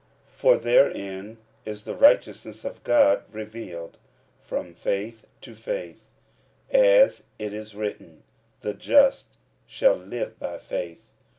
45:001:017 For therein is the righteousness of God revealed from faith to faith: as it is written, The just shall live by faith.